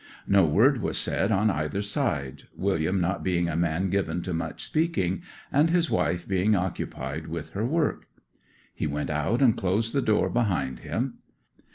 No word was said on either side, William not being a man given to much speaking, and his wife being occupied with her work. He went out and closed the door behind him.